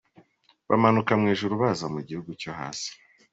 Bamanuka mu ijuru baza mu gihugu cyo hasi.